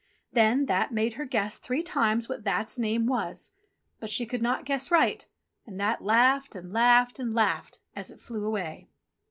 Then That made her guess three times what That's name was ; but she could not guess right, and That laughed and laughed and laughed as it flew away.